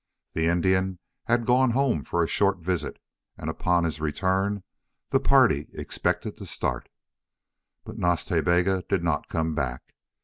The Indian had gone home for a short visit, and upon his return the party expected to start. But Nas Ta Bega did not come back.